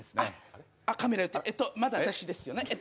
あ、カメラ寄って、まだ私ですよね。